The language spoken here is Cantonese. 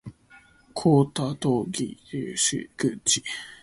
好多投行都準備裁減人手